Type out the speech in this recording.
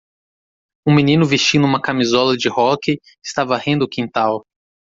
Um menino vestindo uma camisola de hóquei está varrendo o quintal.